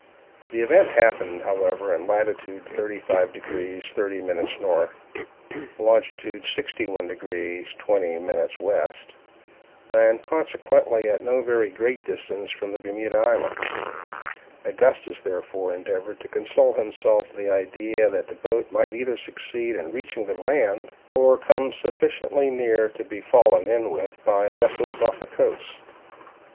This event happened, however, in latitude 35 degrees 30' north, longitude 61 degrees 20' west, and consequently at no very great distance from the Bermuda Islands. Augustus therefore endeavored to console himself with the idea that the boat might either succeed in reaching the land, or come sufficiently near to be fallen in with by vessels off the coast.